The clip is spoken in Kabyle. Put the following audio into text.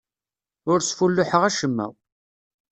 Ur sfulluḥeɣ acemma.